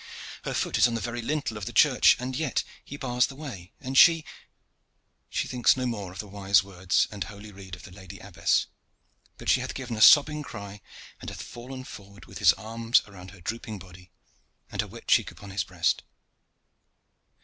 Her foot is on the very lintel of the church, and yet he bars the way and she, she thinks no more of the wise words and holy rede of the lady abbess, but she hath given a sobbing cry and hath fallen forward with his arms around her drooping body and her wet cheek upon his breast.